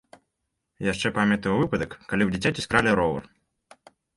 Яшчэ памятаю выпадак, калі ў дзіцяці скралі ровар.